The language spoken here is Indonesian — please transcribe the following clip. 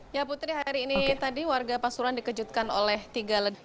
ya putri hari ini tadi warga pasuruan dikejutkan oleh tiga ledakan